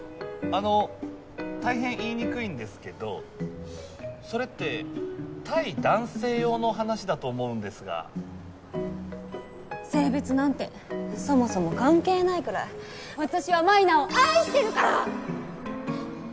あの大変言いにくいんですけどそれって対男性用の話だと思うんですが性別なんてそもそも関係ないくらい私は舞菜を愛してるから！